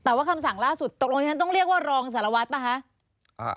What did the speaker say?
แต่ว่าคำสั่งล่าสุดตกลงฉันต้องเรียกว่ารองสารวัตรป่ะคะ